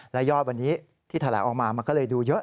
และยอดวันนี้ที่แถลงออกมามันก็เลยดูเยอะ